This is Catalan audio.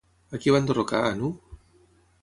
A qui va enderrocar Anu?